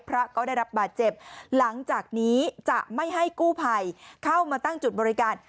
พระก็ได้รับบาดเจ็บหลังจากนี้จะไม่ให้กู้ภัยเข้ามาตั้งจุดบริการ